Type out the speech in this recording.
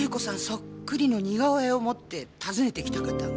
そっくりの似顔絵を持って訪ねてきた方が。